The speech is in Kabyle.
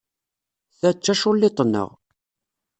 Ta d taculliḍt-nneɣ.